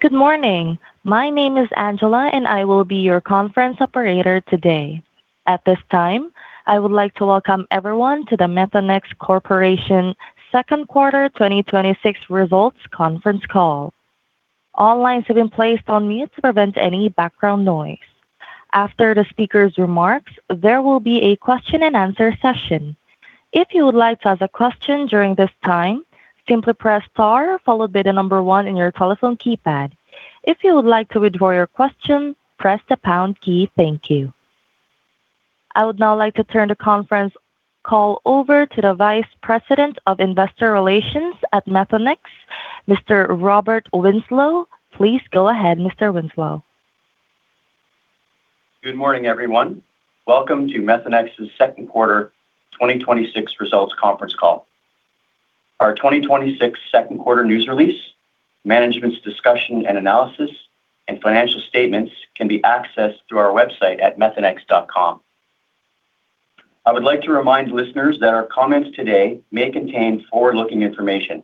Good morning. My name is Angela, and I will be your conference operator today. At this time, I would like to welcome everyone to the Methanex Corporation second quarter 2026 results conference call. All lines have been placed on mute to prevent any background noise. After the speaker's remarks, there will be a question and answer session. If you would like to ask a question during this time, simply press star followed by the number one on your telephone keypad. If you would like to withdraw your question, press the pound key. Thank you. I would now like to turn the conference call over to the Vice President of Investor Relations at Methanex, Mr. Robert Winslow. Please go ahead, Mr. Winslow. Good morning, everyone. Welcome to Methanex's second quarter 2026 results conference call. Our 2026 second quarter news release, management's discussion and analysis, and financial statements can be accessed through our website at methanex.com. I would like to remind listeners that our comments today may contain forward-looking information,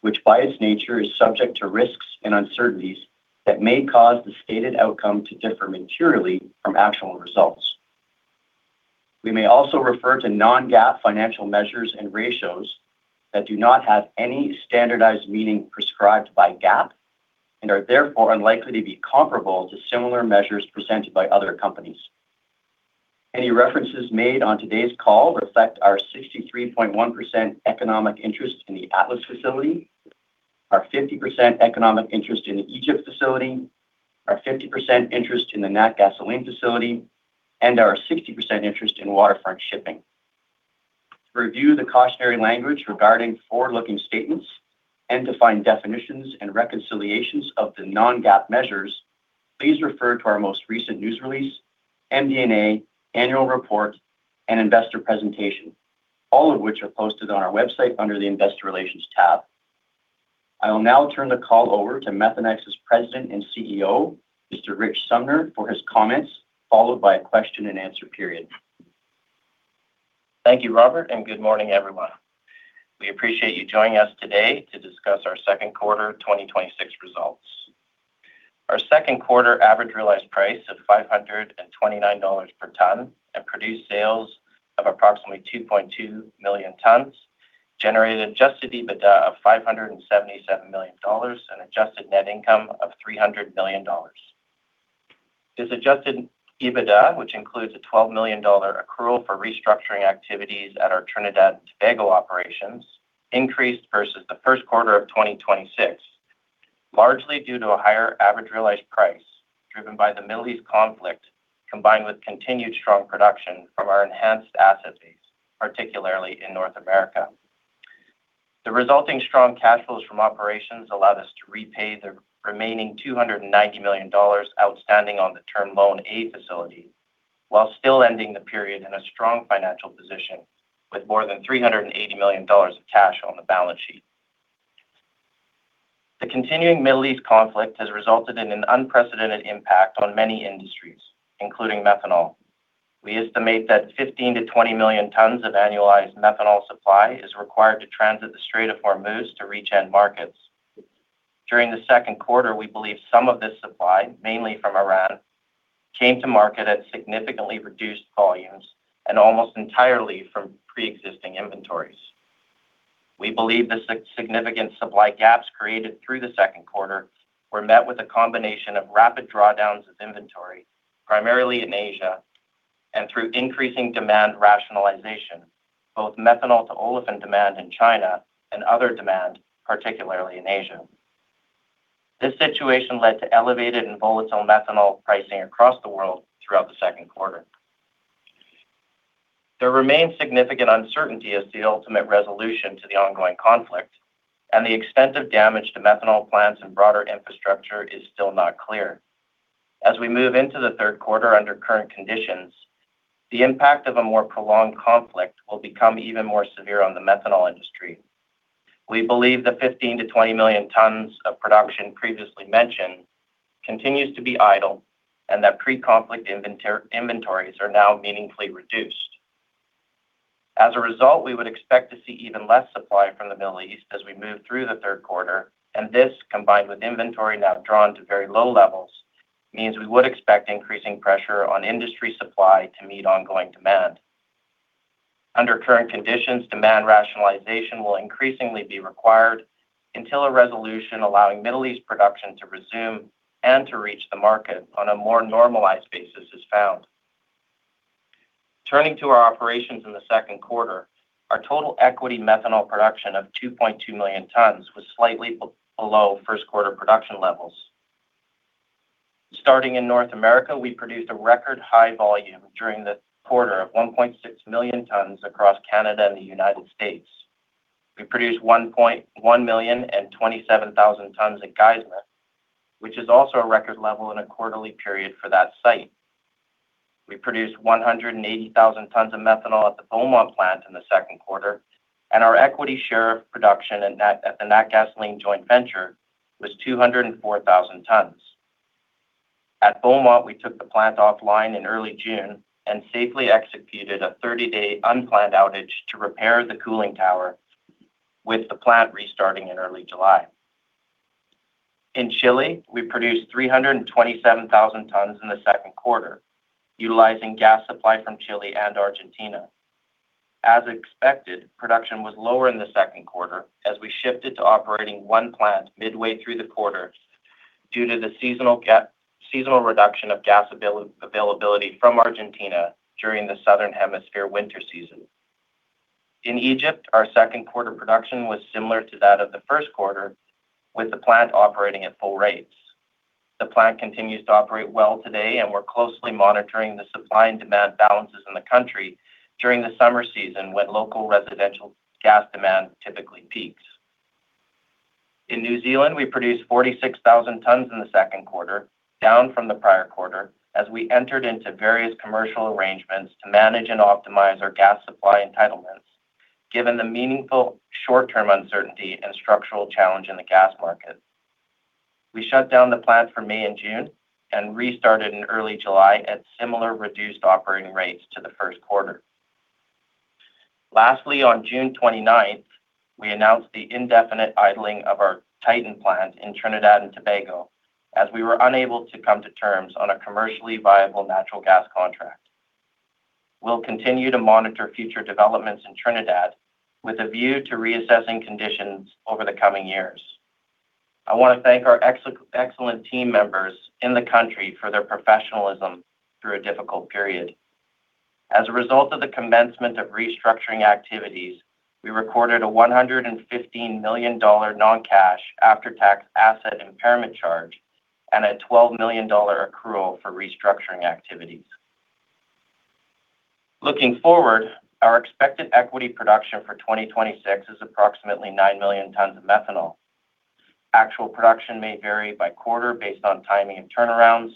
which by its nature is subject to risks and uncertainties that may cause the stated outcome to differ materially from actual results. We may also refer to non-GAAP financial measures and ratios that do not have any standardized meaning prescribed by GAAP and are therefore unlikely to be comparable to similar measures presented by other companies. Any references made on today's call reflect our 63.1% economic interest in the Atlas facility, our 50% economic interest in the Egypt facility, our 50% interest in the Natgasoline facility, and our 60% interest in Waterfront Shipping. To review the cautionary language regarding forward-looking statements and to find definitions and reconciliations of the non-GAAP measures, please refer to our most recent news release, MD&A, annual report, and investor presentation, all of which are posted on our website under the investor relations tab. I will now turn the call over to Methanex's President and CEO, Mr. Rich Sumner, for his comments, followed by a question and answer period. Thank you, Robert, and good morning, everyone. We appreciate you joining us today to discuss our second quarter 2026 results. Our second quarter average realized price of $529 per ton and produced sales of approximately 2.2 million tons, generated adjusted EBITDA of $577 million and adjusted net income of $300 million. This adjusted EBITDA, which includes a $12 million accrual for restructuring activities at our Trinidad and Tobago operations, increased versus the first quarter of 2026, largely due to a higher average realized price driven by the Middle East conflict, combined with continued strong production from our enhanced asset base, particularly in North America. The resulting strong cash flows from operations allowed us to repay the remaining $290 million outstanding on the Term Loan A facility while still ending the period in a strong financial position with more than $380 million of cash on the balance sheet. The continuing Middle East conflict has resulted in an unprecedented impact on many industries, including methanol. We estimate that 15-20 million tons of annualized methanol supply is required to transit the Strait of Hormuz to reach end markets. During the second quarter, we believe some of this supply, mainly from Iran, came to market at significantly reduced volumes and almost entirely from preexisting inventories. We believe the significant supply gaps created through the second quarter were met with a combination of rapid drawdowns of inventory, primarily in Asia, and through increasing demand rationalization, both methanol to olefin demand in China and other demand, particularly in Asia. This situation led to elevated and volatile methanol pricing across the world throughout the second quarter. There remains significant uncertainty as to the ultimate resolution to the ongoing conflict, and the extent of damage to methanol plants and broader infrastructure is still not clear. As we move into the third quarter under current conditions, the impact of a more prolonged conflict will become even more severe on the methanol industry. We believe the 15-20 million tons of production previously mentioned continues to be idle, and that pre-conflict inventories are now meaningfully reduced. As a result, we would expect to see even less supply from the Middle East as we move through the third quarter, and this, combined with inventory now drawn to very low levels, means we would expect increasing pressure on industry supply to meet ongoing demand. Under current conditions, demand rationalization will increasingly be required until a resolution allowing Middle East production to resume and to reach the market on a more normalized basis is found. Turning to our operations in the second quarter, our total equity methanol production of 2.2 million tons was slightly below first quarter production levels. Starting in North America, we produced a record high volume during the quarter of 1.6 million tons across Canada and the United States. We produced 1.1 million and 27,000 tons at Geismar, which is also a record level in a quarterly period for that site. We produced 180,000 tons of methanol at the Beaumont plant in the second quarter, and our equity share of production at the Natgasoline joint venture was 204,000 tons. At Beaumont, we took the plant offline in early June and safely executed a 30-day unplanned outage to repair the cooling tower, with the plant restarting in early July. In Chile, we produced 327,000 tonnes in the second quarter, utilizing gas supply from Chile and Argentina. As expected, production was lower in the second quarter as we shifted to operating one plant midway through the quarter due to the seasonal reduction of gas availability from Argentina during the Southern Hemisphere winter season. In Egypt, our second quarter production was similar to that of the first quarter, with the plant operating at full rates. The plant continues to operate well today. We're closely monitoring the supply and demand balances in the country during the summer season, when local residential gas demand typically peaks. In New Zealand, we produced 46,000 tonnes in the second quarter, down from the prior quarter, as we entered into various commercial arrangements to manage and optimize our gas supply entitlements, given the meaningful short-term uncertainty and structural challenge in the gas market. We shut down the plant for May and June and restarted in early July at similar reduced operating rates to the first quarter. Lastly, on June 29th, we announced the indefinite idling of our Titan plant in Trinidad and Tobago, as we were unable to come to terms on a commercially viable natural gas contract. We'll continue to monitor future developments in Trinidad with a view to reassessing conditions over the coming years. I want to thank our excellent team members in the country for their professionalism through a difficult period. As a result of the commencement of restructuring activities, we recorded a $115 million non-cash after-tax asset impairment charge and a $12 million accrual for restructuring activities. Looking forward, our expected equity production for 2026 is approximately 9 million tonnes of methanol. Actual production may vary by quarter based on timing and turnarounds,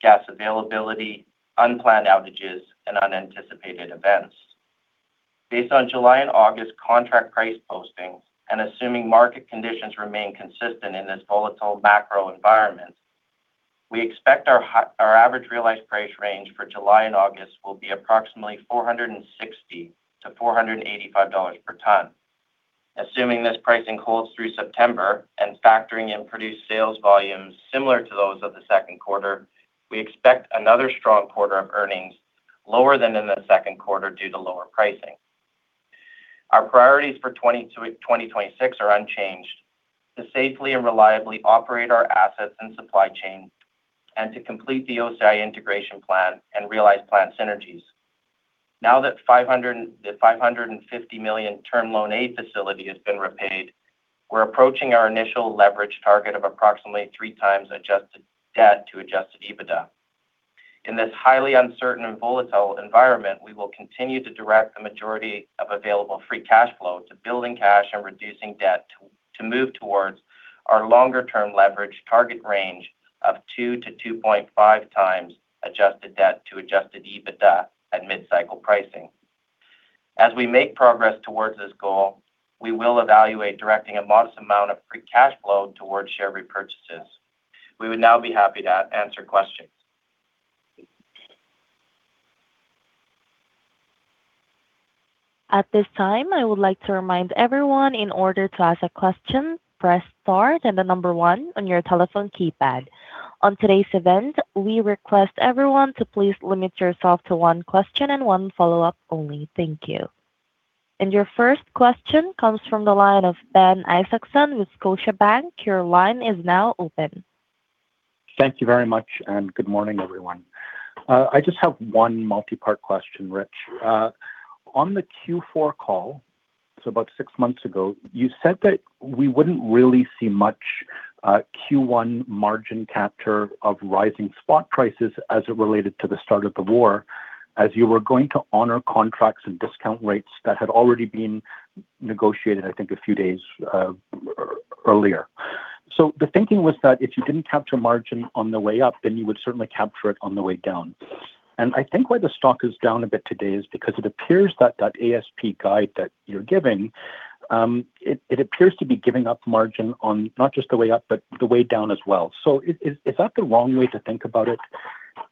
gas availability, unplanned outages, and unanticipated events. Based on July and August contract price postings and assuming market conditions remain consistent in this volatile macro environment, we expect our average realized price range for July and August will be approximately $460-$485 per tonne. Assuming this pricing holds through September and factoring in produced sales volumes similar to those of the second quarter, we expect another strong quarter of earnings lower than in the second quarter due to lower pricing. Our priorities for 2026 are unchanged: to safely and reliably operate our assets and supply chain and to complete the OCI integration plan and realize plant synergies. Now that the $550 million Term Loan A facility has been repaid, we're approaching our initial leverage target of approximately three times adjusted debt to adjusted EBITDA. In this highly uncertain and volatile environment, we will continue to direct the majority of available free cash flow to building cash and reducing debt to move towards our longer-term leverage target range of 2-2.5 times adjusted debt to adjusted EBITDA at mid-cycle pricing. As we make progress towards this goal, we will evaluate directing a modest amount of free cash flow towards share repurchases. We would now be happy to answer questions. At this time, I would like to remind everyone in order to ask a question, press star, then the number one on your telephone keypad. On today's event, we request everyone to please limit yourself to one question and one follow-up only. Thank you. Your first question comes from the line of Ben Isaacson with Scotiabank. Your line is now open. Thank you very much, and good morning, everyone. I just have one multi-part question, Rich. On the Q4 call, so about six months ago, you said that we wouldn't really see much Q1 margin capture of rising spot prices as it related to the start of the war, as you were going to honor contracts and discount rates that had already been negotiated, I think, a few days earlier. The thinking was that if you didn't capture margin on the way up, then you would certainly capture it on the way down. I think why the stock is down a bit today is because it appears that that ASP guide that you're giving, it appears to be giving up margin on not just the way up, but the way down as well. Is that the wrong way to think about it?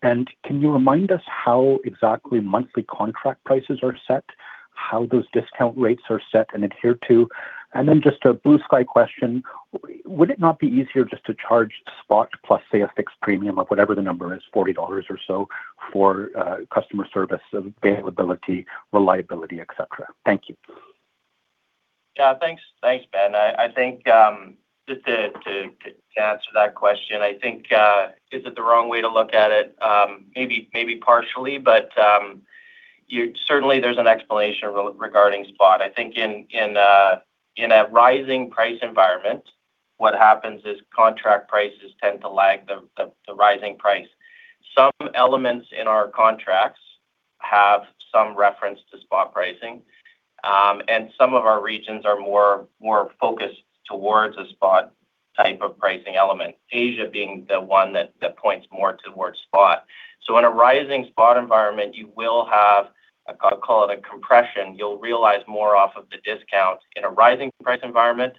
Can you remind us how exactly monthly contract prices are set, how those discount rates are set and adhered to? Then just a blue sky question, would it not be easier just to charge spot plus, say, a fixed premium of whatever the number is, $40 or so, for customer service, availability, reliability, et cetera? Thank you. Yeah. Thanks, Ben. I think just to answer that question, is it the wrong way to look at it? Maybe partially, but certainly there's an explanation regarding spot. I think in a rising price environment, what happens is contract prices tend to lag the rising price. Some elements in our contracts have some reference to spot pricing, and some of our regions are more focused towards a spot type of pricing element, Asia being the one that points more towards spot. In a rising spot environment, you will have, I call it a compression. You'll realize more off of the discount in a rising price environment,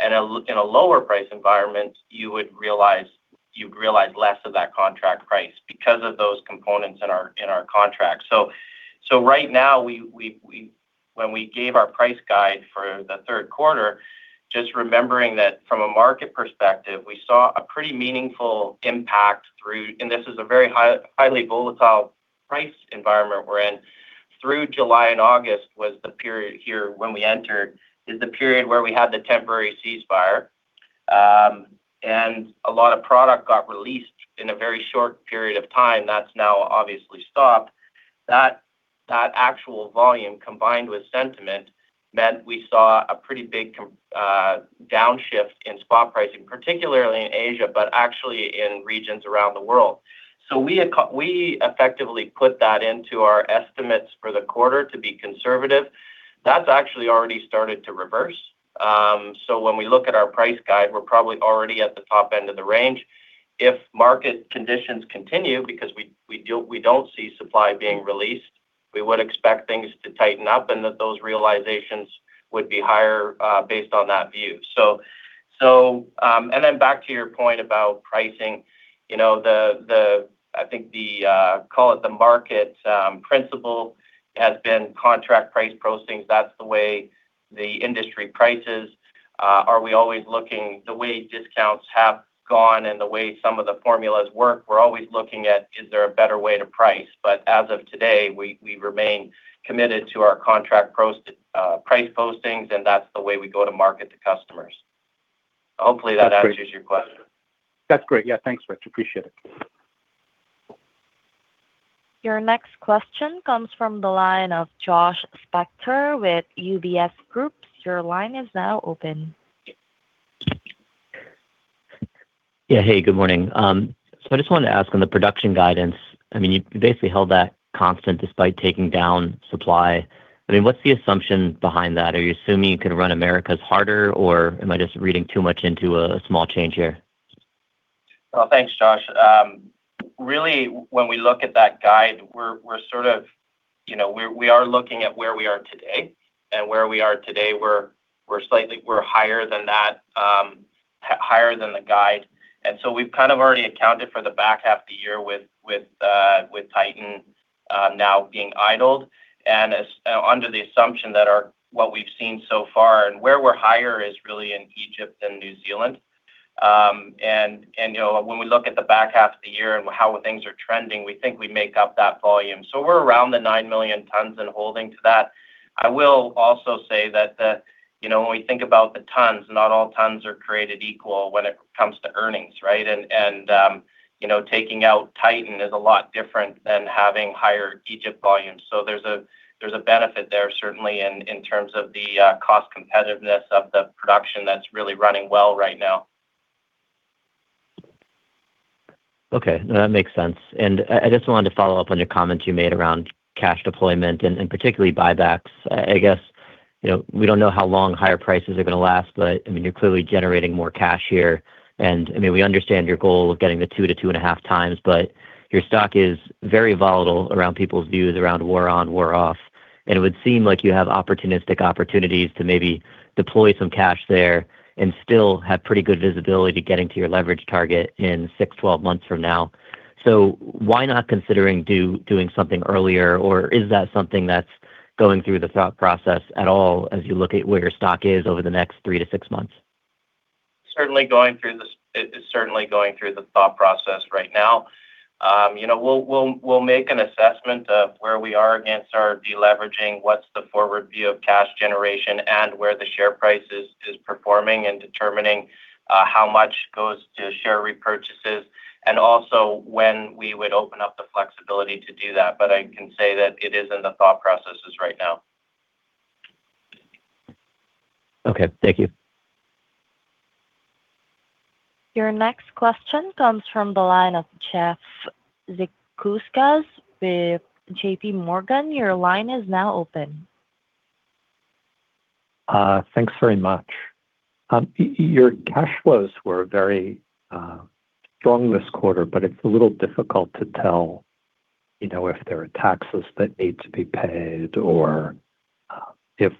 and in a lower price environment, you would realize less of that contract price because of those components in our contract. Right now, when we gave our price guide for the third quarter, just remembering that from a market perspective, we saw a pretty meaningful impact. This is a very highly volatile price environment we're in, through July and August was the period here when we entered, is the period where we had the temporary ceasefire. A lot of product got released in a very short period of time that's now obviously stopped. That actual volume combined with sentiment meant we saw a pretty big downshift in spot pricing, particularly in Asia, but actually in regions around the world. We effectively put that into our estimates for the quarter to be conservative. That's actually already started to reverse. When we look at our price guide, we're probably already at the top end of the range. If market conditions continue because we don't see supply being released, we would expect things to tighten up and that those realizations would be higher based on that view. Back to your point about pricing, I think, call it the market principle has been contract price postings. That's the way the industry prices. Are we always looking the way discounts have gone and the way some of the formulas work? We're always looking at is there a better way to price? As of today, we remain committed to our contract price postings, and that's the way we go to market to customers. Hopefully that answers your question. That's great. Yeah, thanks, Rich. Appreciate it. Your next question comes from the line of Josh Spector with UBS Group. Your line is now open. Yeah. Hey, good morning. I just wanted to ask on the production guidance, you basically held that constant despite taking down supply. What's the assumption behind that? Are you assuming you could run Americas harder, or am I just reading too much into a small change here? Well, thanks, Josh. When we look at that guide, we are looking at where we are today. Where we are today, we're higher than the guide. We've kind of already accounted for the back half of the year with Titan now being idled, and under the assumption that what we've seen so far and where we're higher is really in Egypt and New Zealand. When we look at the back half of the year and how things are trending, we think we make up that volume. We're around the nine million tons and holding to that. I will also say that when we think about the tons, not all tons are created equal when it comes to earnings, right? Taking out Titan is a lot different than having higher Egypt volumes. There's a benefit there certainly in terms of the cost competitiveness of the production that's really running well right now. Okay. No, that makes sense. I just wanted to follow up on your comments you made around cash deployment and particularly buybacks. I guess, we don't know how long higher prices are going to last, but you're clearly generating more cash here. We understand your goal of getting the two to two and a half times, but your stock is very volatile around people's views around war on, war off. It would seem like you have opportunistic opportunities to maybe deploy some cash there and still have pretty good visibility to getting to your leverage target in six, 12 months from now. Why not considering doing something earlier? Or is that something that's going through the thought process at all as you look at where your stock is over the next three to six months? It's certainly going through the thought process right now. We'll make an assessment of where we are against our de-leveraging, what's the forward view of cash generation and where the share price is performing and determining how much goes to share repurchases, and also when we would open up the flexibility to do that. I can say that it is in the thought processes right now. Okay. Thank you. Your next question comes from the line of Jeff Zekauskas with JPMorgan. Your line is now open. Thanks very much. Your cash flows were very strong this quarter, it's a little difficult to tell if there are taxes that need to be paid or if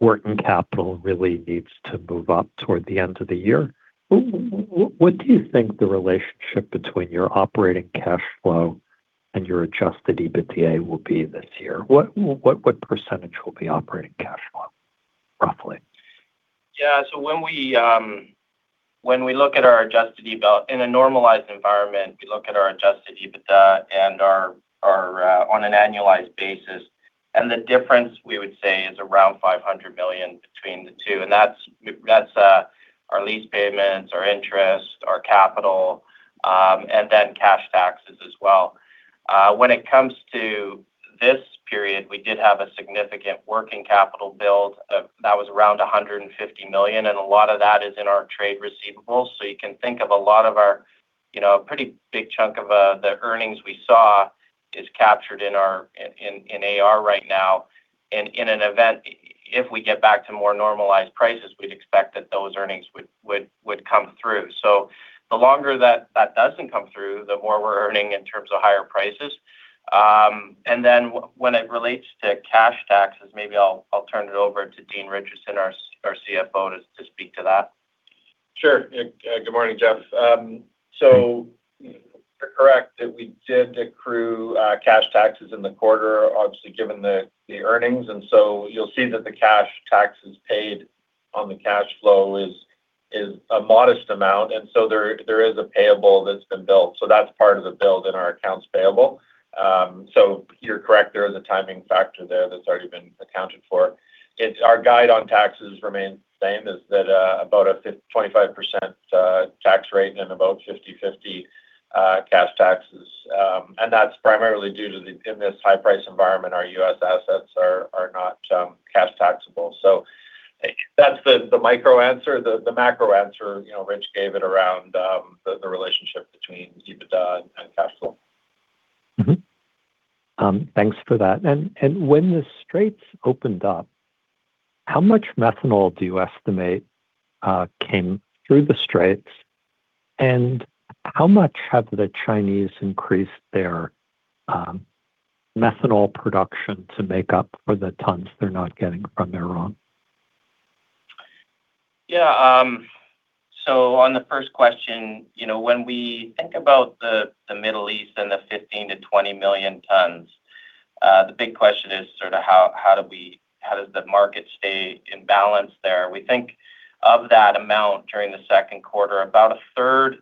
working capital really needs to move up toward the end of the year. What do you think the relationship between your operating cash flow and your adjusted EBITDA will be this year? What % will be operating cash flow, roughly? Yeah. When we look at our adjusted EBITDA in a normalized environment, we look at our adjusted EBITDA and are on an annualized basis. The difference we would say is around $500 million between the two. That's our lease payments, our interest, our capital, and then cash taxes as well. When it comes to this period, we did have a significant working capital build that was around $150 million, and a lot of that is in our trade receivables. You can think of a lot of our pretty big chunk of the earnings we saw captured in AR right now. In an event, if we get back to more normalized prices, we'd expect that those earnings would come through. The longer that that doesn't come through, the more we're earning in terms of higher prices. When it relates to cash taxes, maybe I'll turn it over to Dean Richardson, our CFO, to speak to that. Sure. Good morning, Jeff. You're correct that we did accrue cash taxes in the quarter, obviously, given the earnings. You'll see that the cash taxes paid on the cash flow is a modest amount. There is a payable that's been billed. That's part of the build in our accounts payable. You're correct, there is a timing factor there that's already been accounted for. Our guide on taxes remains the same, is that about a 25% tax rate and about 50/50 cash taxes. That's primarily due to, in this high price environment, our U.S. assets are not cash taxable. That's the micro answer. The macro answer, Rich gave it around the relationship between EBITDA and cash flow. Mm-hmm. Thanks for that. When the Straits opened up, how much methanol do you estimate came through the Straits? How much have the Chinese increased their methanol production to make up for the tons they're not getting from Iran? On the first question, when we think about the Middle East and the 15 to 20 million tons, the big question is how does the market stay in balance there? We think of that amount during the second quarter. About a third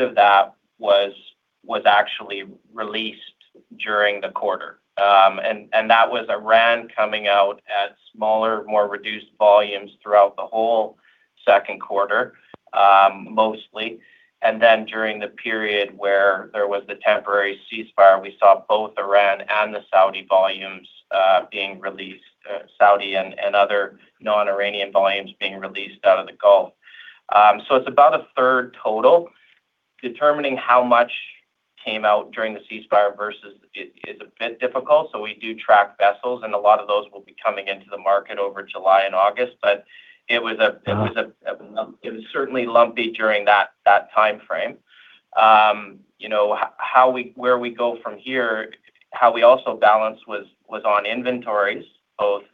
of that was actually released during the quarter. That was Iran coming out at smaller, more reduced volumes throughout the whole second quarter, mostly. Then during the period where there was the temporary ceasefire, we saw both Iran and the Saudi volumes being released, Saudi and other non-Iranian volumes being released out of the Gulf. It's about a third total. Determining how much came out during the ceasefire versus is a bit difficult, so we do track vessels, and a lot of those will be coming into the market over July and August. It was certainly lumpy during that timeframe. Where we go from here, how we also balance was on inventories, both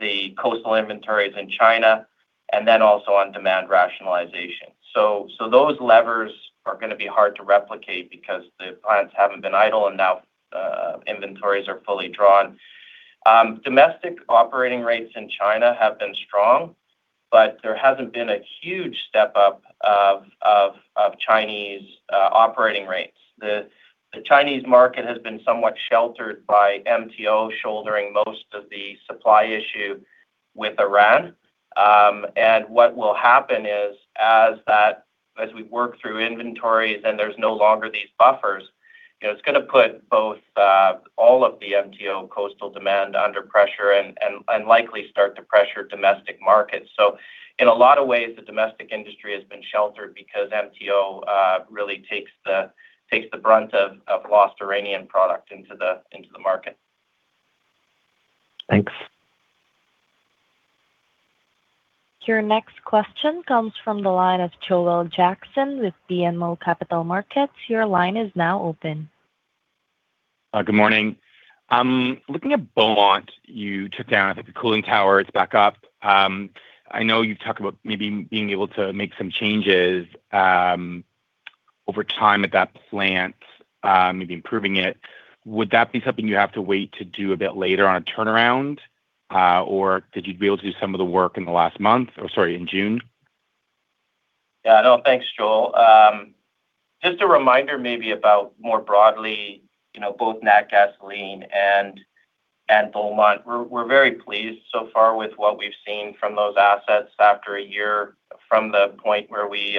the coastal inventories in China, and then also on demand rationalization. Those levers are going to be hard to replicate because the plants haven't been idle and now inventories are fully drawn. Domestic operating rates in China have been strong, but there hasn't been a huge step-up of Chinese operating rates. The Chinese market has been somewhat sheltered by MTO shouldering most of the supply issue with Iran. What will happen is as we work through inventories, and there's no longer these buffers, it's going to put both all of the MTO coastal demand under pressure and likely start to pressure domestic markets. In a lot of ways, the domestic industry has been sheltered because MTO really takes the brunt of lost Iranian product into the market. Thanks. Your next question comes from the line of Joel Jackson with BMO Capital Markets. Your line is now open. Good morning. Looking at Beaumont, you took down, I think, the cooling tower is back up. I know you've talked about maybe being able to make some changes over time at that plant, maybe improving it. Would that be something you have to wait to do a bit later on a turnaround? Or did you be able to do some of the work in the last month or, sorry, in June? Thanks, Joel. Just a reminder maybe about more broadly, both Natgasoline and Beaumont. We're very pleased so far with what we've seen from those assets after a year from the point where we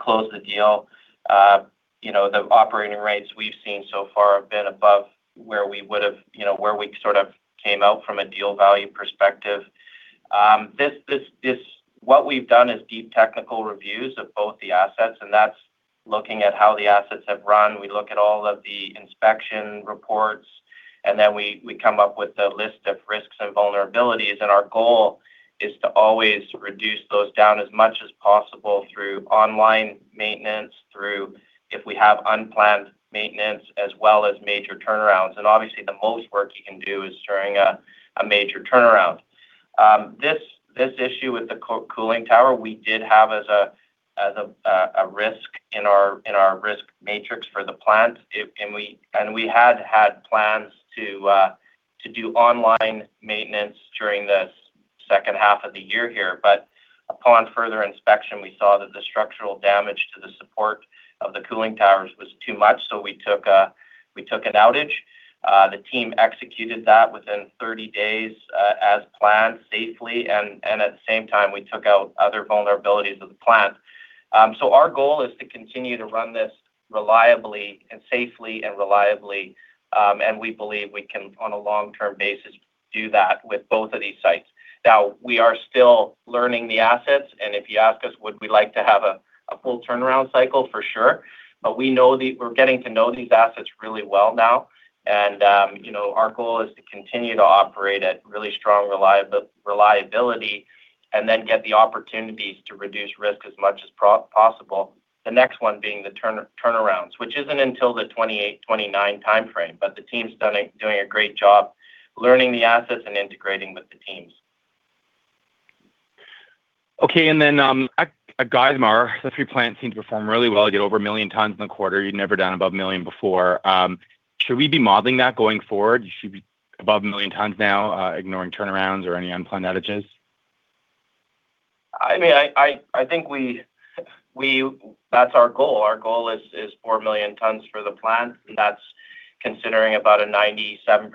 closed the deal. The operating rates we've seen so far have been above where we sort of came out from a deal value perspective. What we've done is deep technical reviews of both the assets, and that's looking at how the assets have run. We look at all of the inspection reports, and then we come up with a list of risks and vulnerabilities, and our goal is to always reduce those down as much as possible through online maintenance, through if we have unplanned maintenance, as well as major turnarounds. Obviously, the most work you can do is during a major turnaround. This issue with the cooling tower, we did have as a risk in our risk matrix for the plant. We had plans to do online maintenance during the second half of the year here, upon further inspection, we saw that the structural damage to the support of the cooling towers was too much, we took an outage. The team executed that within 30 days as planned, safely, and at the same time, we took out other vulnerabilities of the plant. Our goal is to continue to run this safely and reliably, and we believe we can, on a long-term basis, do that with both of these sites. We are still learning the assets, and if you ask us would we like to have a full turnaround cycle? For sure. We're getting to know these assets really well now, our goal is to continue to operate at really strong reliability and then get the opportunities to reduce risk as much as possible. The next one being the turnarounds, which isn't until the 2028, 2029 timeframe, the team's doing a great job learning the assets and integrating with the teams. At Geismar, the three plants seem to perform really well. You get over 1 million tons in the quarter. You'd never done above 1 million before. Should we be modeling that going forward? You should be above 1 million tons now, ignoring turnarounds or any unplanned outages? I think that's our goal. Our goal is 4 million tons for the plant. That's considering about a 97%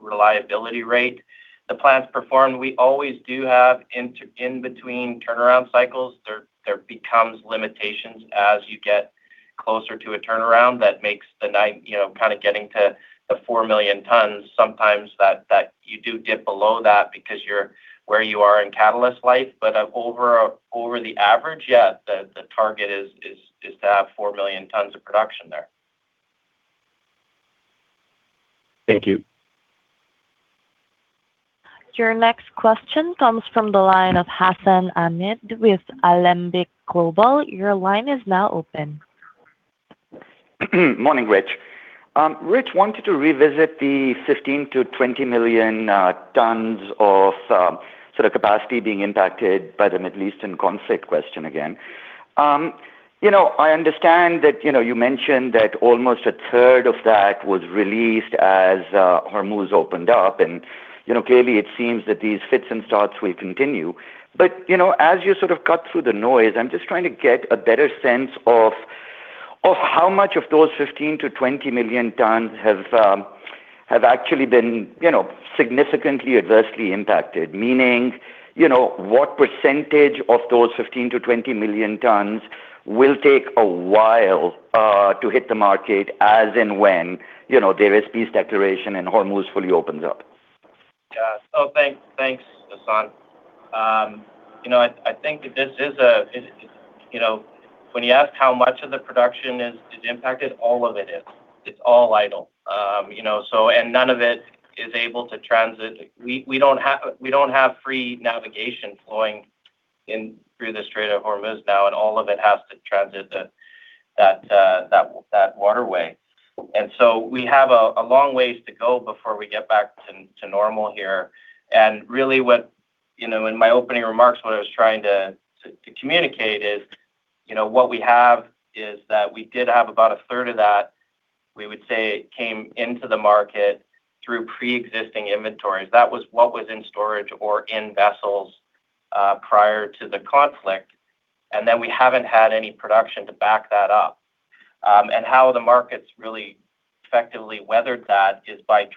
reliability rate. The plants perform. We always do have in between turnaround cycles. There becomes limitations as you get closer to a turnaround that makes the getting to the 4 million tons. Sometimes you do dip below that because you're where you are in catalyst life. Over the average, yeah, the target is to have 4 million tons of production there. Thank you. Your next question comes from the line of Hassan Ahmed with Alembic Global. Your line is now open. Morning, Rich. Rich, wanted to revisit the 15 million-20 million tons of capacity being impacted by the Middle Eastern conflict question again. I understand that you mentioned that almost a third of that was released as Hormuz opened up, and clearly, it seems that these fits and starts will continue. As you sort of cut through the noise, I'm just trying to get a better sense of how much of those 15 million-20 million tons have actually been significantly adversely impacted, meaning what percentage of those 15 million-20 million tons will take a while to hit the market, as in when there is peace declaration and Hormuz fully opens up? Thanks, Hassan. I think when you ask how much of the production is impacted, all of it is. It's all idle. None of it is able to transit. We don't have free navigation flowing in through the Strait of Hormuz now, and all of it has to transit that waterway. We have a long ways to go before we get back to normal here. Really what, in my opening remarks, what I was trying to communicate is, what we have is that we did have about a third of that we would say came into the market through preexisting inventories. That was what was in storage or in vessels prior to the conflict. We haven't had any production to back that up. How the market's really effectively weathered that is by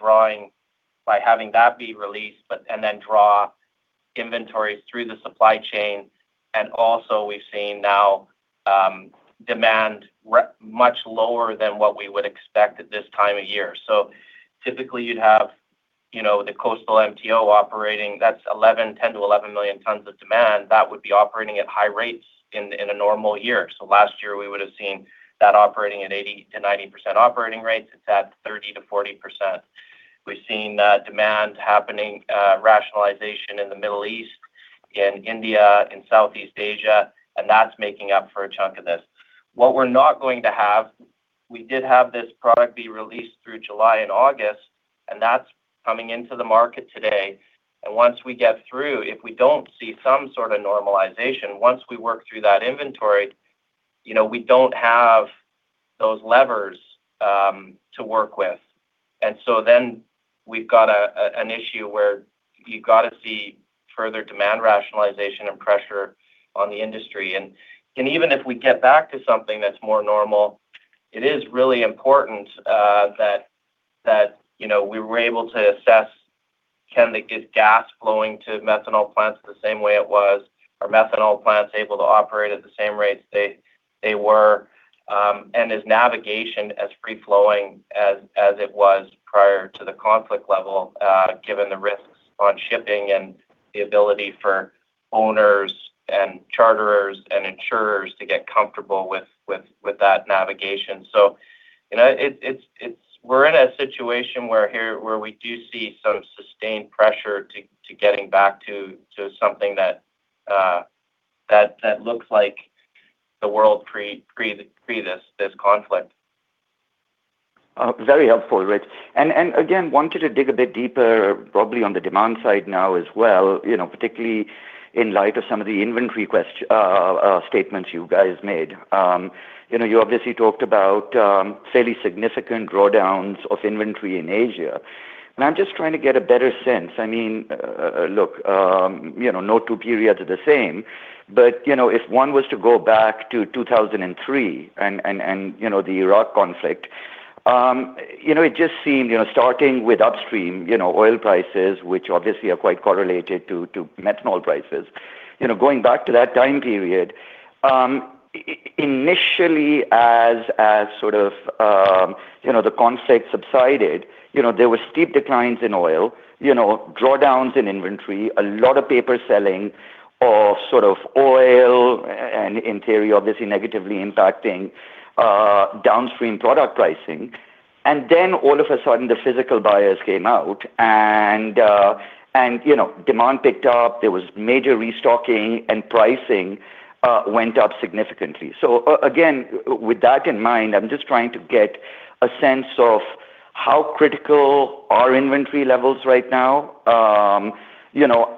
having that be released, and then draw inventories through the supply chain. Also, we've seen now demand much lower than what we would expect at this time of year. Typically, you'd have the coastal MTO operating. That's 10-11 million tons of demand. That would be operating at high rates in a normal year. Last year, we would've seen that operating at 80%-90% operating rates. It's at 30%-40%. We've seen demand happening, rationalization in the Middle East, in India, in Southeast Asia, and that's making up for a chunk of this. What we're not going to have, we did have this product be released through July and August, and that's coming into the market today. Once we get through, if we don't see some sort of normalization, once we work through that inventory, we don't have those levers to work with. We've got an issue where you've got to see further demand rationalization and pressure on the industry. Even if we get back to something that's more normal, it is really important that we were able to assess, can they get gas flowing to methanol plants the same way it was? Are methanol plants able to operate at the same rates they were? Is navigation as free-flowing as it was prior to the conflict level given the risks on shipping and the ability for owners and charterers and insurers to get comfortable with that navigation? We're in a situation where we do see some sustained pressure to getting back to something that looks like the world pre this conflict. Very helpful, Rich. Again, wanted to dig a bit deeper, probably on the demand side now as well, particularly in light of some of the inventory statements you guys made. You obviously talked about fairly significant drawdowns of inventory in Asia. I'm just trying to get a better sense. Look, no two periods are the same, but if one was to go back to 2003 and the Iraq conflict, it just seemed starting with upstream oil prices, which obviously are quite correlated to methanol prices. Going back to that time period, initially as the conflict subsided, there were steep declines in oil, drawdowns in inventory, a lot of paper selling of oil and in theory, obviously negatively impacting downstream product pricing. Then all of a sudden, the physical buyers came out and demand picked up. There was major restocking, and pricing went up significantly. Again, with that in mind, I'm just trying to get a sense of how critical are inventory levels right now.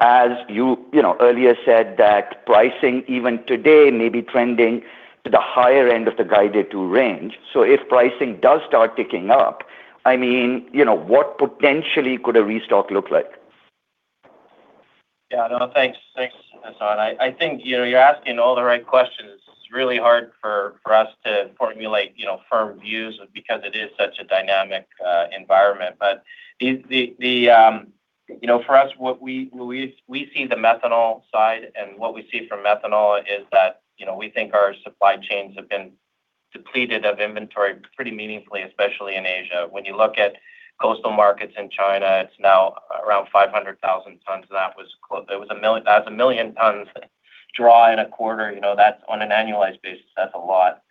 As you earlier said that pricing even today may be trending to the higher end of the guided to range. If pricing does start ticking up, what potentially could a restock look like? Yeah. No, thanks. Thanks, Hassan. I think you're asking all the right questions. It's really hard for us to formulate firm views because it is such a dynamic environment. For us, we see the methanol side, and what we see from methanol is that we think our supply chains have been depleted of inventory pretty meaningfully, especially in Asia. When you look at coastal markets in China, it's now around 500,000 tons. That's 1 million tons draw in a quarter. On an annualized basis, that's a lot.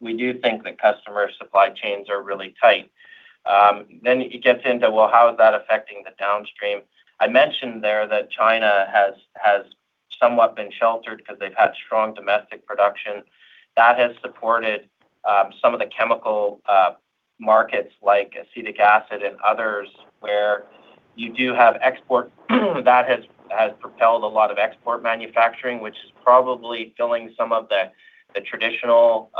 We do think that customer supply chains are really tight. It gets into, well, how is that affecting the downstream? I mentioned there that China has somewhat been sheltered because they've had strong domestic production. That has supported some of the chemical markets like acetic acid and others, where you do have export that has propelled a lot of export manufacturing, which is probably filling some of the traditional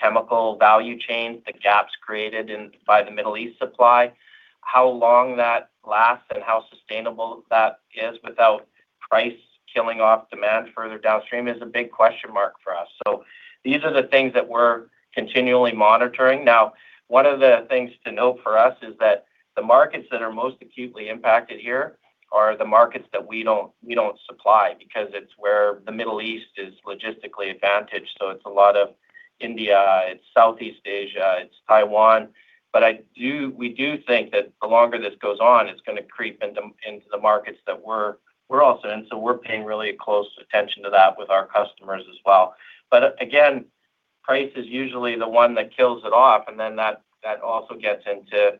chemical value chain, the gaps created by the Middle East supply. How long that lasts and how sustainable that is without price killing off demand further downstream is a big question mark for us. These are the things that we're continually monitoring. Now, one of the things to note for us is that the markets that are most acutely impacted here are the markets that we don't supply because it's where the Middle East is logistically advantaged. It's a lot of India, it's Southeast Asia, it's Taiwan. We do think that the longer this goes on, it's going to creep into the markets that we're also in. We're paying really close attention to that with our customers as well. Again, price is usually the one that kills it off. Then that also gets into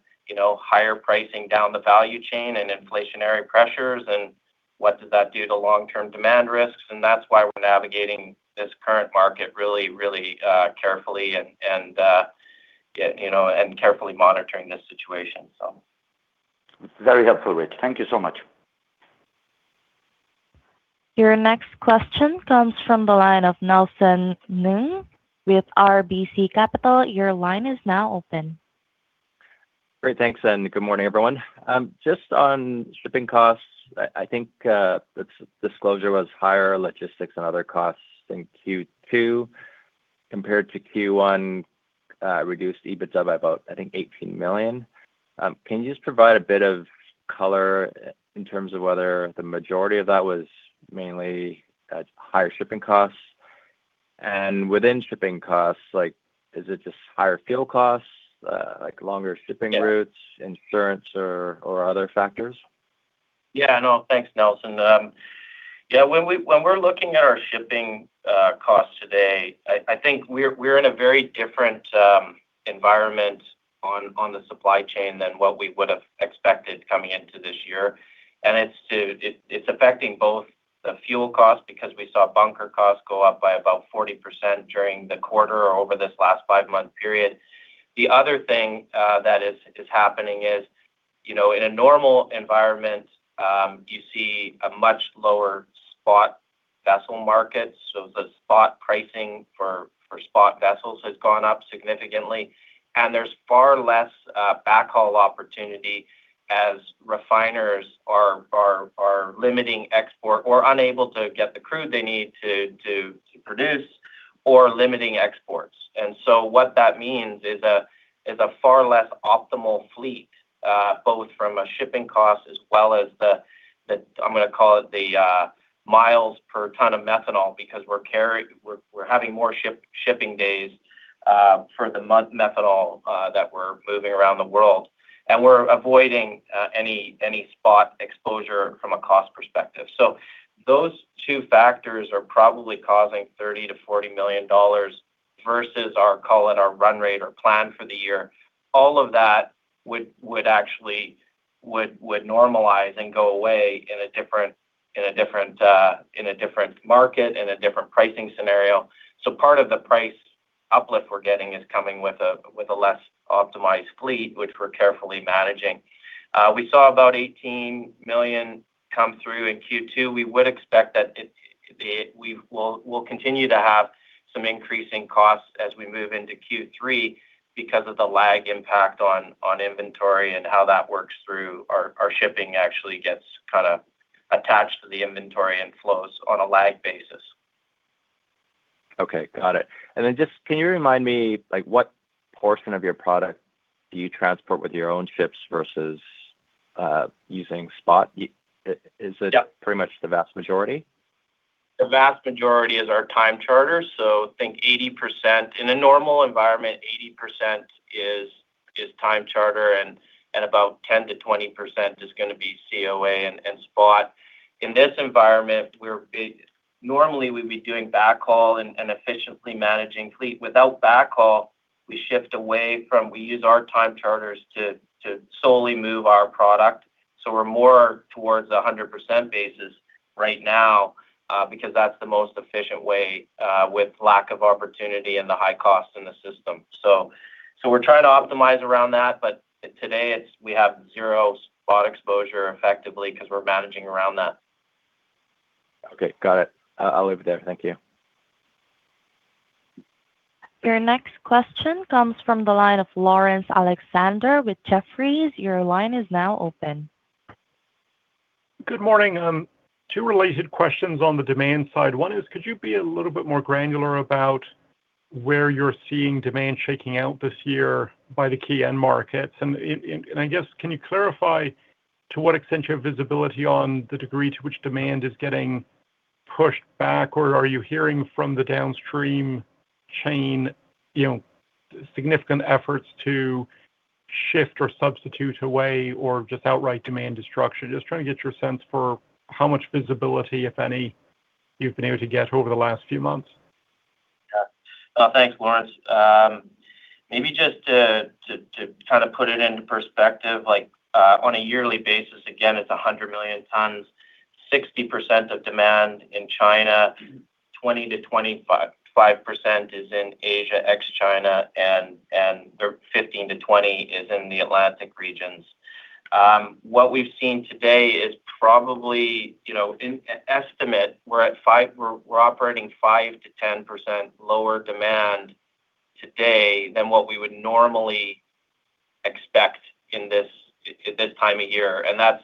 higher pricing down the value chain and inflationary pressures, and what does that do to long-term demand risks? That's why we're navigating this current market really carefully and carefully monitoring this situation. Very helpful, Rich. Thank you so much. Your next question comes from the line of Nelson Ng with RBC Capital. Your line is now open. Great. Thanks, and good morning, everyone. Just on shipping costs, I think the disclosure was higher logistics and other costs in Q2 compared to Q1 reduced EBITDA by about, I think, $18 million. Can you just provide a bit of color in terms of whether the majority of that was mainly higher shipping costs? Within shipping costs, is it just higher fuel costs, like longer shipping routes insurance or other factors? Yeah. No, thanks, Nelson. Yeah, when we're looking at our shipping costs today, I think we're in a very different environment on the supply chain than what we would have expected coming into this year. It's affecting both the fuel cost because we saw bunker costs go up by about 40% during the quarter or over this last five-month period. The other thing that is happening is, in a normal environment, you see a much lower spot vessel market. The spot pricing for spot vessels has gone up significantly, and there's far less backhaul opportunity as refiners are limiting export or unable to get the crew they need to produce or limiting exports. What that means is a far less optimal fleet both from a shipping cost as well as the, I'm going to call it the miles per ton of methanol, because we're having more shipping days for the methanol that we're moving around the world. We're avoiding any spot exposure from a cost perspective. Those two factors are probably causing $30 million-$40 million versus our, call it our run rate or plan for the year. All of that would normalize and go away in a different market, in a different pricing scenario. Part of the price uplift we're getting is coming with a less optimized fleet, which we're carefully managing. We saw about $18 million come through in Q2. We would expect that we'll continue to have some increasing costs as we move into Q3 because of the lag impact on inventory and how that works through our shipping actually gets attached to the inventory and flows on a lag basis. Okay, got it. Can you remind me what portion of your product do you transport with your own ships versus using spot? Yeah. Is it pretty much the vast majority? The vast majority is our time charter. Think 80%. In a normal environment, 80% is time charter and about 10%-20% is going to be COA and spot. In this environment, normally we'd be doing backhaul and efficiently managing fleet. Without backhaul, we use our time charters to solely move our product. We're more towards 100% basis right now because that's the most efficient way with lack of opportunity and the high cost in the system. We're trying to optimize around that, but today we have zero spot exposure effectively because we're managing around that. Okay, got it. I'll leave it there. Thank you. Your next question comes from the line of Laurence Alexander with Jefferies. Your line is now open. Good morning. Two related questions on the demand side. One is could you be a little bit more granular about where you're seeing demand shaking out this year by the key end markets? I guess, can you clarify to what extent your visibility on the degree to which demand is getting pushed back, or are you hearing from the downstream chain significant efforts to shift or substitute away or just outright demand destruction? Just trying to get your sense for how much visibility, if any, you've been able to get over the last few months. Thanks, Laurence. Maybe just to put it into perspective, on a yearly basis, again, it's 100 million tons, 60% of demand in China, 20%-25% is in Asia, ex-China, and the 15%-20% is in the Atlantic regions. What we've seen today is probably, in estimate, we're operating 5%-10% lower demand today than what we would normally expect at this time of year. That's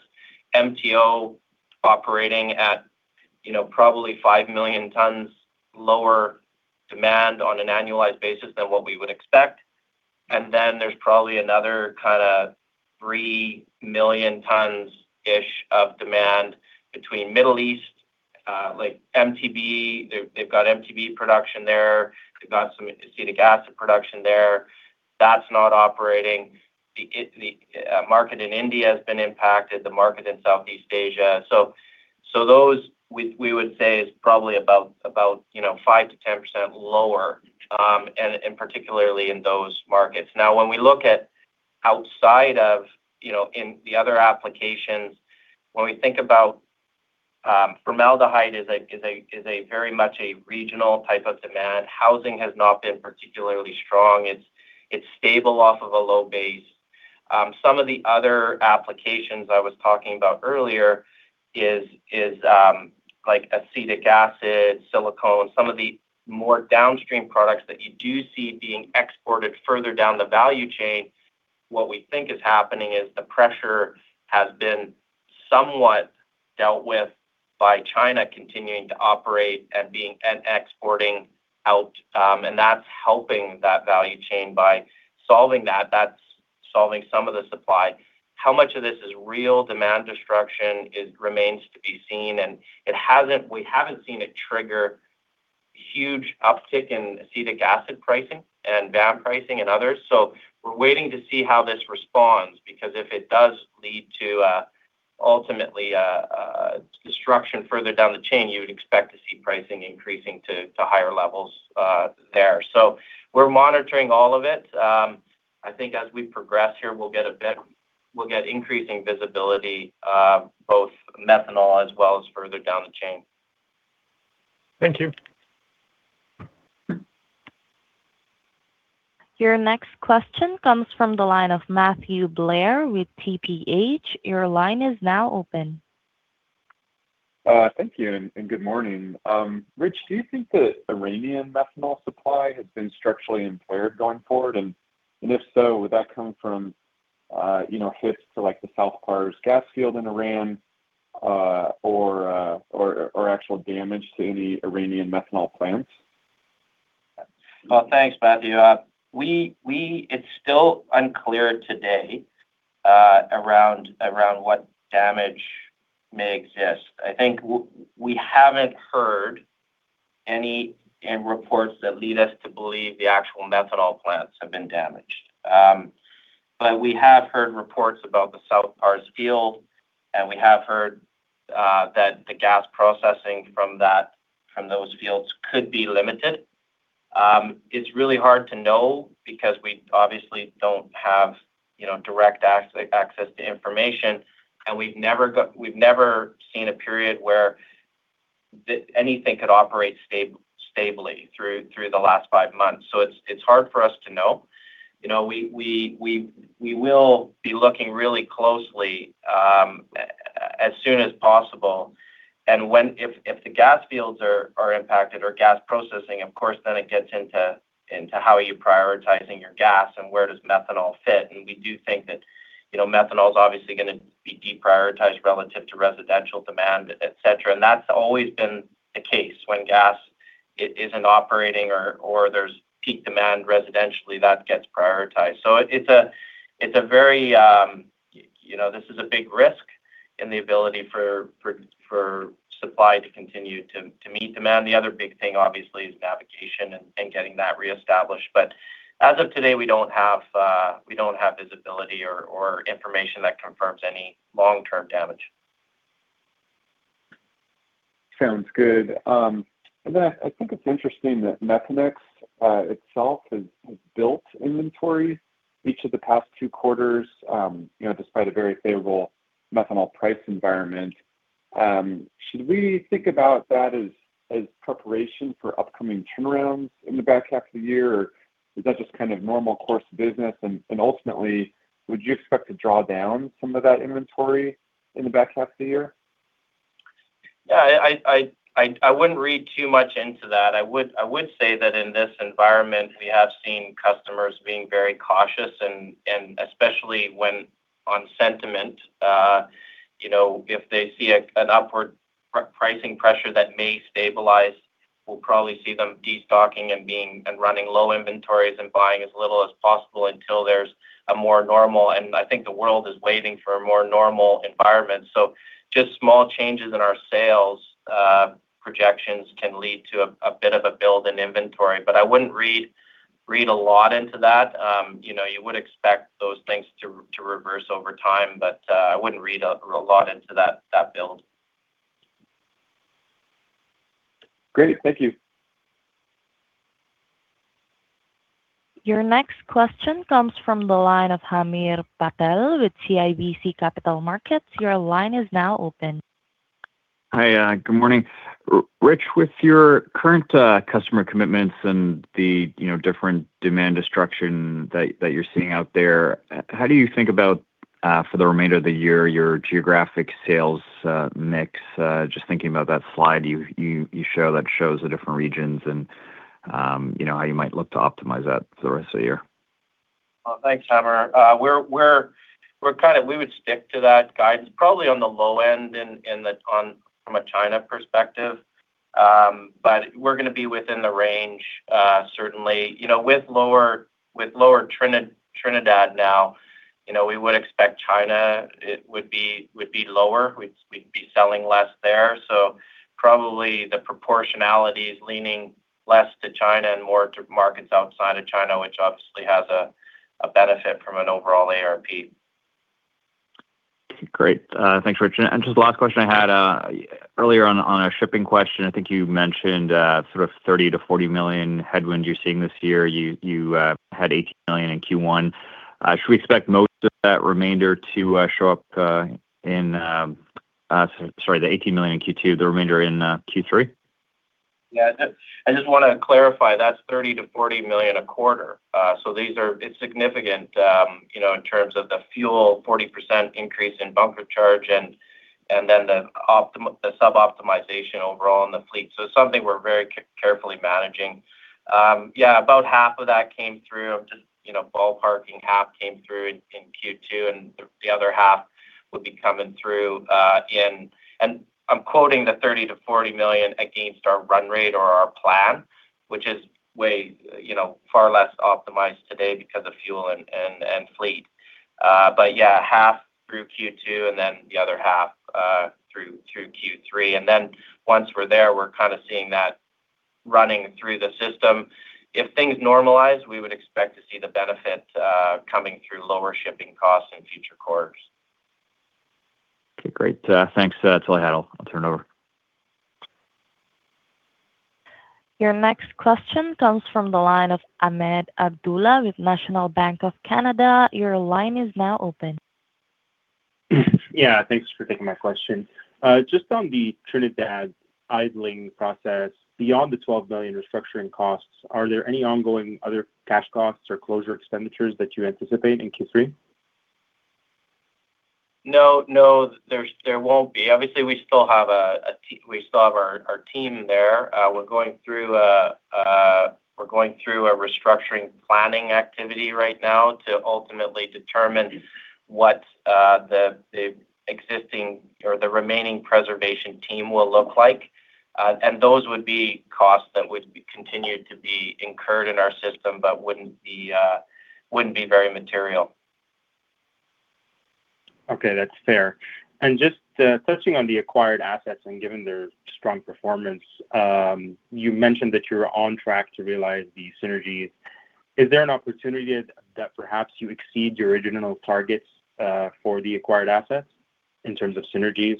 MTO operating at probably five million tons lower demand on an annualized basis than what we would expect. Then there's probably another three million tons-ish of demand between Middle East. They've got MTBE production there. They've got some acetic acid production there. That's not operating. The market in India has been impacted, the market in Southeast Asia. Those, we would say, is probably about 5%-10% lower, and particularly in those markets. When we look at outside of, in the other applications, when we think about formaldehyde is a very much a regional type of demand. Housing has not been particularly strong. It's stable off of a low base. Some of the other applications I was talking about earlier is like acetic acid, silicones. Some of the more downstream products that you do see being exported further down the value chain. What we think is happening is the pressure has been somewhat dealt with by China continuing to operate and exporting out. That's helping that value chain by solving that's solving some of the supply. How much of this is real demand destruction remains to be seen, we haven't seen it trigger huge uptick in acetic acid pricing and VAM pricing and others. We're waiting to see how this responds, because if it does lead to ultimately destruction further down the chain, you would expect to see pricing increasing to higher levels there. We're monitoring all of it. I think as we progress here, we'll get increasing visibility, both methanol as well as further down the chain. Thank you. Your next question comes from the line of Matthew Blair with TPH.. Your line is now open. Thank you, and good morning. Rich, do you think the Iranian methanol supply has been structurally impaired going forward? If so, would that come from hits to the South Pars gas field in Iran or actual damage to any Iranian methanol plants? Well, thanks, Matthew. It's still unclear today around what damage may exist. I think we haven't heard any reports that lead us to believe the actual methanol plants have been damaged. We have heard reports about the South Pars field, and we have heard that the gas processing from those fields could be limited. It's really hard to know because we obviously don't have direct access to information, and we've never seen a period where anything could operate stably through the last five months. It's hard for us to know. We will be looking really closely as soon as possible. If the gas fields are impacted or gas processing, of course, then it gets into how are you prioritizing your gas and where does methanol fit. We do think that methanol is obviously going to be deprioritized relative to residential demand, et cetera. That's always been the case. When gas isn't operating or there's peak demand residentially, that gets prioritized. This is a big risk in the ability for supply to continue to meet demand. The other big thing, obviously, is navigation and getting that reestablished. As of today, we don't have visibility or information that confirms any long-term damage. Sounds good. I think it's interesting that Methanex itself has built inventories each of the past two quarters despite a very favorable methanol price environment. Should we think about that as preparation for upcoming turnarounds in the back half of the year, or is that just kind of normal course of business? Ultimately, would you expect to draw down some of that inventory in the back half of the year? Yeah, I wouldn't read too much into that. I would say that in this environment, we have seen customers being very cautious, and especially when on sentiment. If they see an upward pricing pressure that may stabilize, we'll probably see them destocking and running low inventories and buying as little as possible until there's a more normal. I think the world is waiting for a more normal environment. Just small changes in our sales projections can lead to a bit of a build in inventory, but I wouldn't read a lot into that. You would expect those things to reverse over time, but I wouldn't read a lot into that build. Great. Thank you. Your next question comes from the line of Hamir Patel with CIBC Capital Markets. Your line is now open. Hi, good morning. Rich, with your current customer commitments and the different demand destruction that you're seeing out there, how do you think about, for the remainder of the year, your geographic sales mix? Just thinking about that slide you show that shows the different regions and how you might look to optimize that for the rest of the year. Thanks, Hamir. We would stick to that guidance, probably on the low end from a China perspective. We're going to be within the range, certainly. With lower Trinidad now, we would expect China would be lower. We'd be selling less there. Probably the proportionality is leaning less to China and more to markets outside of China, which obviously has a benefit from an overall ARP. Great. Thanks, Richard. Just the last question I had. Earlier on a shipping question, I think you mentioned sort of $30 million-$40 million headwinds you're seeing this year. You had $18 million in Q1. Should we expect most of the $18 million in Q2, the remainder in Q3? Yeah, I just want to clarify, that's $30 million-$40 million a quarter. It's significant in terms of the fuel, 40% increase in bunker charge, and the sub-optimization overall in the fleet. Something we're very carefully managing. Yeah, about half of that came through, just ballparking, half came through in Q2, and the other half would be coming through in. I'm quoting the $30 million-$40 million against our run rate or our plan, which is far less optimized today because of fuel and fleet. Yeah, half through Q2, the other half through Q3. Once we're there, we're kind of seeing that running through the system. If things normalize, we would expect to see the benefit coming through lower shipping costs in future quarters. Okay, great. Thanks. That's all I had. I'll turn it over. Your next question comes from the line of Ahmed Abdullah with National Bank of Canada. Your line is now open. Yeah, thanks for taking my question. Just on the Trinidad idling process. Beyond the $12 million restructuring costs, are there any ongoing other cash costs or closure expenditures that you anticipate in Q3? No. There won't be. Obviously, we still have our team there. We're going through a restructuring planning activity right now to ultimately determine what the existing or the remaining preservation team will look like. Those would be costs that would continue to be incurred in our system but wouldn't be very material. Okay, that's fair. Just touching on the acquired assets and given their strong performance, you mentioned that you're on track to realize the synergies. Is there an opportunity that perhaps you exceed your original targets for the acquired assets in terms of synergies?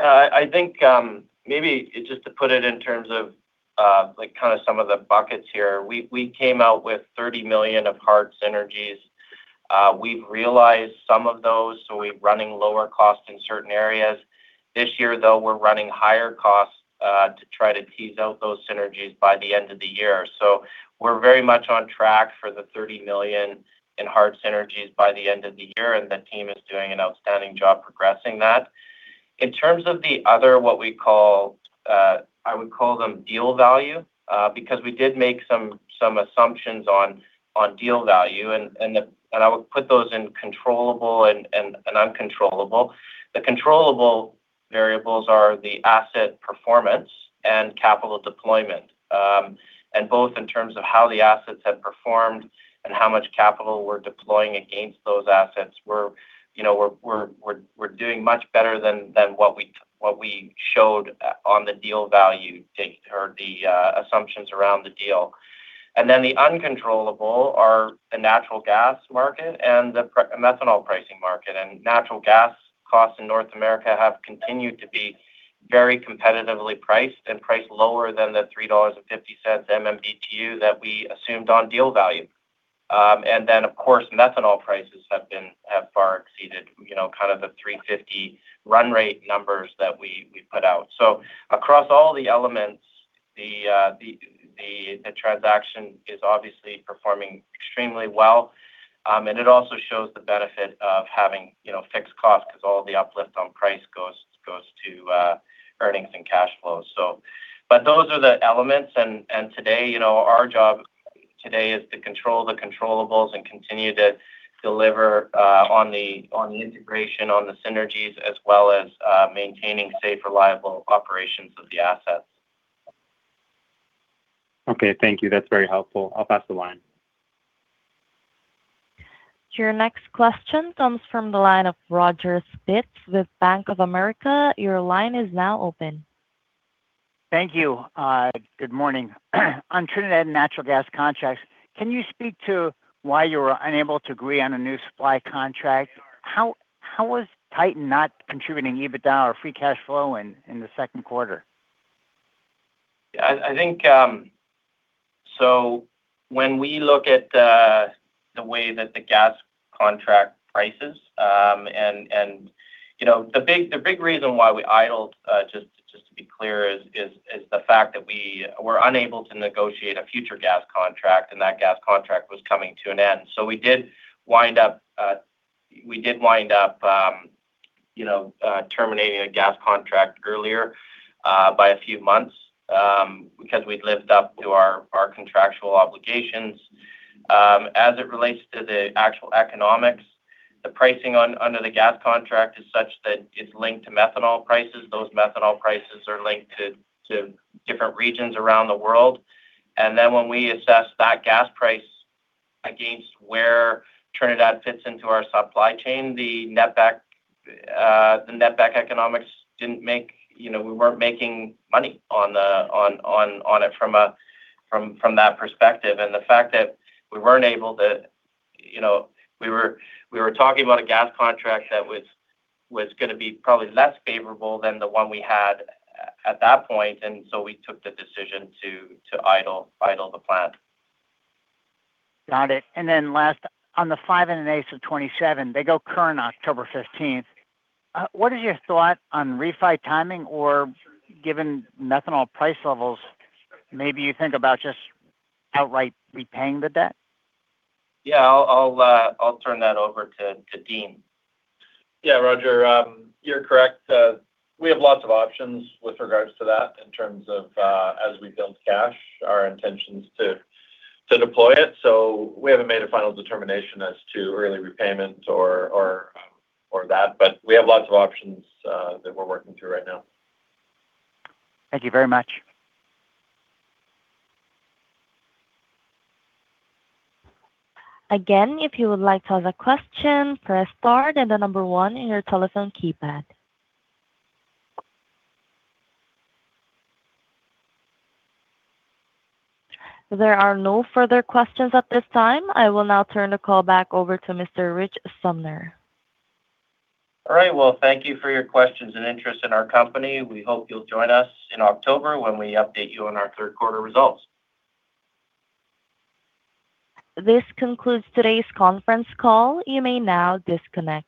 I think maybe just to put it in terms of kind of some of the buckets here, we came out with $30 million of hard synergies. We've realized some of those, so we're running lower costs in certain areas. This year, though, we're running higher costs to try to tease out those synergies by the end of the year. We're very much on track for the $30 million in hard synergies by the end of the year, the team is doing an outstanding job progressing that. In terms of the other, what I would call them deal value, because we did make some assumptions on deal value, I would put those in controllable and uncontrollable. The controllable variables are the asset performance and capital deployment, both in terms of how the assets have performed and how much capital we're deploying against those assets. We're doing much better than what we showed on the deal value take or the assumptions around the deal. The uncontrollable are the natural gas market and the methanol pricing market. Natural gas costs in North America have continued to be very competitively priced and priced lower than the $3.50 MMBtu that we assumed on deal value. Of course, methanol prices have far exceeded kind of the $350 run rate numbers that we put out. Across all the elements, the transaction is obviously performing extremely well. It also shows the benefit of having fixed costs because all the uplift on price goes to earnings and cash flows. Those are the elements, and our job today is to control the controllables and continue to deliver on the integration, on the synergies, as well as maintaining safe, reliable operations of the assets. Okay, thank you. That's very helpful. I'll pass the line. Your next question comes from the line of Roger Spitz with Bank of America. Your line is now open. Thank you. Good morning. On Trinidad natural gas contracts, can you speak to why you were unable to agree on a new supply contract? How was Titan not contributing EBITDA or free cash flow in the second quarter? When we look at the way that the gas contract prices. The big reason why we idled, just to be clear, is the fact that we were unable to negotiate a future gas contract, and that gas contract was coming to an end. We did wind up terminating a gas contract earlier by a few months because we'd lived up to our contractual obligations. As it relates to the actual economics, the pricing under the gas contract is such that it's linked to methanol prices. Those methanol prices are linked to different regions around the world. When we assess that gas price against where Trinidad fits into our supply chain, the net back economics, we weren't making money on it from that perspective. The fact that we were talking about a gas contract that was going to be probably less favorable than the one we had at that point, we took the decision to idle the plant. Got it. Last, on the five and an eighth of 27, they go current October 15th. What is your thought on refi timing or, given methanol price levels, maybe you think about just outright repaying the debt? I'll turn that over to Dean. Yeah, Roger, you're correct. We have lots of options with regards to that in terms of as we build cash, our intentions to deploy it. We haven't made a final determination as to early repayment or that, but we have lots of options that we're working through right now. Thank you very much. Again, if you would like to ask a question, press star, then the number one in your telephone keypad. There are no further questions at this time. I will now turn the call back over to Mr. Rich Sumner. All right. Well, thank you for your questions and interest in our company. We hope you'll join us in October when we update you on our third-quarter results. This concludes today's conference call. You may now disconnect.